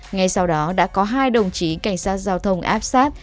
ngay sau đó đã có hai đồng chí cảnh sát giao thông áp sát